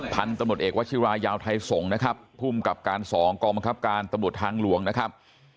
พันธุ์ตำรวจเอกวัชิรายาวไทยส่งนะครับภูมิกับการสองกองบังคับการตำรวจทางหลวงนะครับ